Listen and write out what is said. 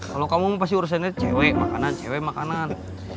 kalau kamu pasti urusannya cewek makanan cewek makanan